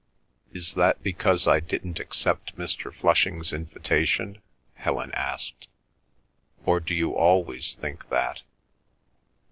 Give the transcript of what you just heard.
"Is that because I didn't accept Mr. Flushing's invitation?" Helen asked, "or do you always think that?"